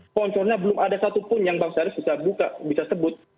sponsornya belum ada satupun yang bang syarif bisa buka bisa sebut